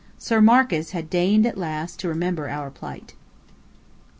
Sir Marcus had deigned at last to remember our plight.